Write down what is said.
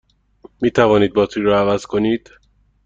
می توانید باتری را عوض کنید؟